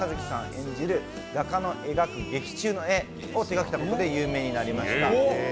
演じる画家の描く劇中の絵を手がけたことで有名になりました。